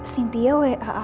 sintia wa aku